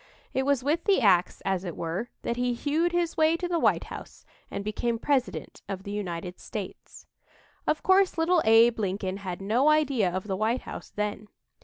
It was with the ax, as it were, that he hewed his way to the White House and became President of the United States. Of course, little Abe Lincoln had no idea of the White House then.